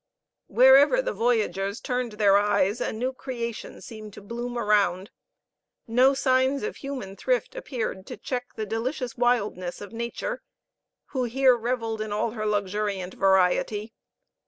Wherever the voyagers turned their eyes a new creation seemed to bloom around. No signs of human thrift appeared to check the delicious wildness of Nature, who here reveled in all her luxuriant variety.